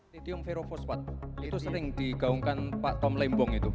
titium vero fosfat itu sering digaungkan pak tom lembong itu